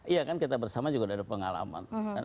iya kan kita bersama juga udah ada pengalaman